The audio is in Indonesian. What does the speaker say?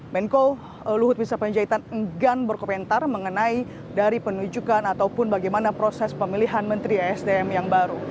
menko luhut misra panjaitan enggam berkomentar mengenai dari penunjukan ataupun bagaimana proses pemilihan menteri sdm yang baru